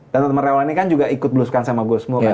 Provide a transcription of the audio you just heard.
dan temen temen relawan ini kan juga ikut blueskan sama gue semua kan